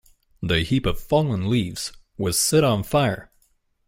The heap of fallen leaves was set on fire.